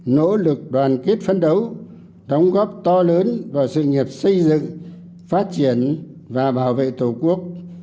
nỗ lực đoàn kết phân đấu đóng góp to lớn vào sự nghiệp xây dựng phát triển và bảo vệ tổ quốc